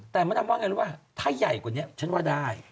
แต่มะดำว่าไงรู้ป่ะถ้าใหญ่กว่านี้ฉันว่าได้